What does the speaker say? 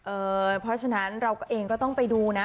เออพอฉะนั้นเรากลัวเองก็ต้องไปดูนะ